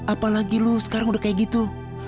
apalagi lu sekarang udah kayak gitu